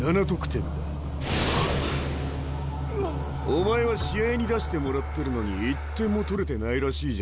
お前は試合に出してもらってるのに１点も取れてないらしいじゃないか。